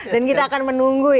dan kita akan menunggu ya